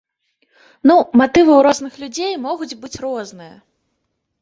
Ну, матывы ў розных людзей могуць быць розныя.